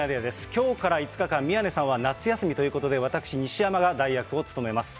きょうから５日間、宮根さんは夏休みということで、私、西山が代役を務めます。